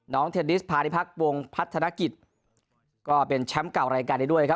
เทนนิสพาริพักวงพัฒนกิจก็เป็นแชมป์เก่ารายการนี้ด้วยครับ